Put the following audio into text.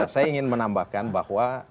saya ingin menambahkan bahwa